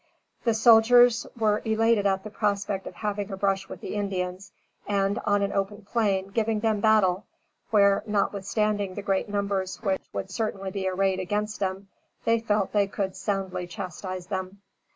The soldiers were elated at the prospect of having a brush with the Indians, and, on an open plain, giving them battle, where, notwithstanding the great numbers which would certainly be arrayed against them, they felt that they could soundly chastise them.